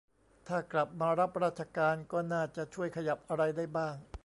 ถ้ากลับมารับราชการก็น่าจะช่วยขยับอะไรได้บ้าง